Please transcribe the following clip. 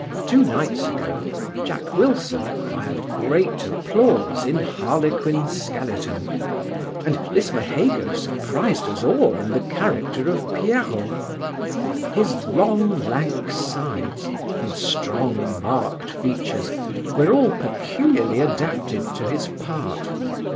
Two nights ago, Jack Wilson acquired great applause in Harlequin Skeleton, and Lismahago surprised us all in the character of Pierot. His long lank sides, and strong marked features, were all peculiarly adapted to his part.